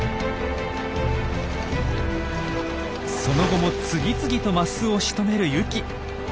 その後も次々とマスをしとめるユキ。